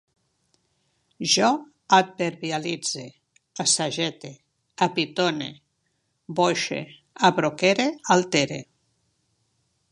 Jo adverbialitze, assagete, apitone, boixe, abroquere, altere